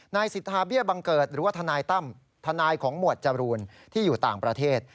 นายสิทธาเบี้ยบังเกิดหรือว่าทนายตั้มทนายของหมวดจรูนที่อยู่ต่างประเทศ